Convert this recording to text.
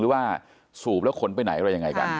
ว่าสูบแล้วขนไปไหนอะไรยังไงกัน